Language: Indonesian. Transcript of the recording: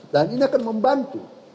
dan ini akan membantu